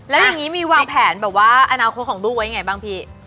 แล้วยังงี้มีวางแผนอนาคตของลูกไว้ไงบ้างพี่